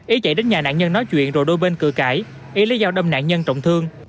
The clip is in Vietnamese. ý chạy đến nhà nạn nhân nói chuyện rồi đôi bên cử cãi ý lấy dao đâm nạn nhân trọng thương